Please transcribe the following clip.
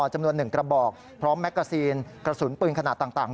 จำนวน๑กระบอกพร้อมแมกกาซีนกระสุนปืนขนาดต่าง